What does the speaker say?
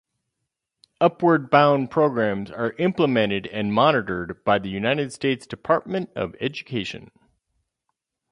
Upward Bound programs are implemented and monitored by the United States Department of Education.